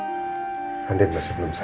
mbak handin masih belum sadar